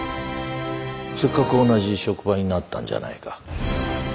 せっかく同じ職場になったんじゃないか。